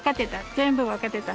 全部分かってた。